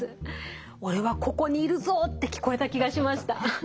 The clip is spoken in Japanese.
「俺はここにいるぞ」って聞こえた気がしました。